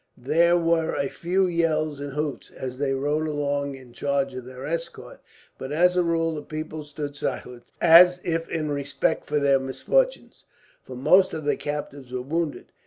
There were a few yells and hoots, as they rode along in charge of their escort; but as a rule the people stood silent, as if in respect for their misfortunes, for most of the captives were wounded.